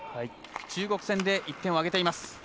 中国戦で１点を挙げています。